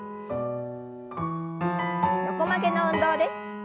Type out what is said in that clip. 横曲げの運動です。